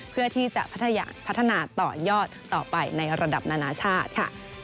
เพื่อที่จะพัฒนาต่อยอดต่อไปในระดับนานาชาติค่ะ